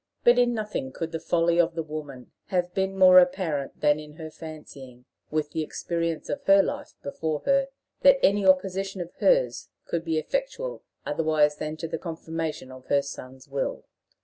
But in nothing could the folly of the woman have been more apparent than in her fancying, with the experience of her life before her, that any opposition of hers could be effectual otherwise than to the confirmation of her son's will.